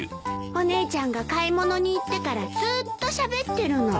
お姉ちゃんが買い物に行ってからずーっとしゃべってるの。